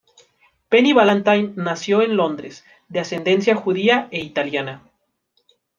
Penny Valentine nació en Londres, de ascendencia judía e italiana.